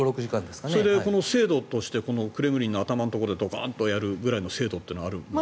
この精度としてクレムリンの頭のところでドカンとやるくらいの精度はあるんですか？